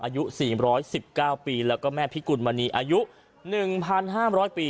อายุ๔๑๙ปีแล้วก็แม่พิกุลมณีอายุ๑๕๐๐ปี